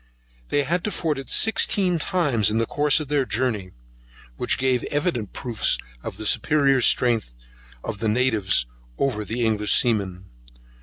They had to ford it sixteen times in the course of their journey, which gave evident proofs of the superior strength of the natives over the English seamen.